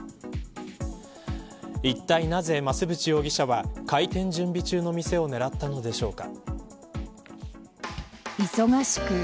いったいなぜ、増渕容疑者は開店準備中の店を狙ったのでしょうか。